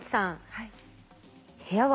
はい。